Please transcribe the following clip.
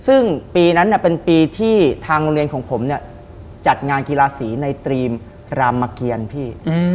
ซึ่งปีนั้นเป็นปีที่ทางโรงเรียนของผมเนี่ยจัดงานกีฬาสีในตรีมรามเกียรพี่